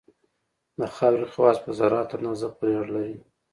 د خاورې خواص په ذراتو اندازه پورې اړه لري